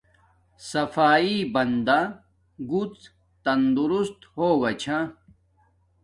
صفایݵ بندا گڎ تندرست ہوگا چھا